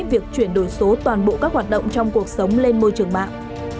việc chuyển đổi số toàn bộ các hoạt động trong cuộc sống lên môi trường mạng